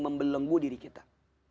membelenggu diri kita